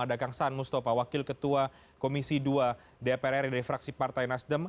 ada kang saan mustafa wakil ketua komisi dua dpr ri dari fraksi partai nasdem